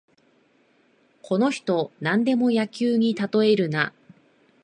この人、なんでも野球にたとえるな